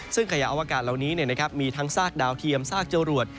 ซึ่งขยะอวกาศเหล่านี้มีทั้งซากดาวเทียมซากจรวด